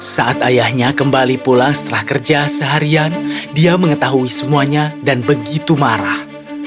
saat ayahnya kembali pulang setelah kerja seharian dia mengetahui semuanya dan begitu marah